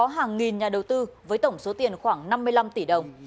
hàng nghìn nhà đầu tư với tổng số tiền khoảng năm mươi năm tỷ đồng